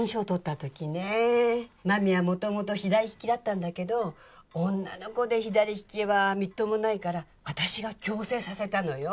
真実は元々左利きだったんだけど女の子で左利きはみっともないから私が矯正させたのよ。